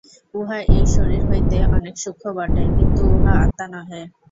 উহা এই শরীর হইতে অনেক সূক্ষ্ম বটে, কিন্তু উহা আত্মা নহে।